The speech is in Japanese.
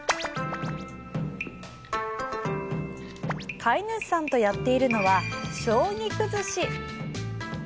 飼い主さんとやっているのは将棋崩し。